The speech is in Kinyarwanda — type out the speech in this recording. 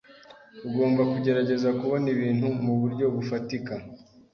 Ugomba kugerageza kubona ibintu muburyo bufatika.